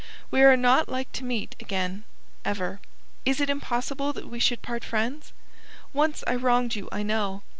We are not like to meet again ever. Is it impossible that we should part friends? Once I wronged you, I know.